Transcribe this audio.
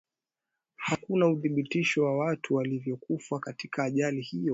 hakuna uthibitisho wa watu waliyokufa katika ajali hiyo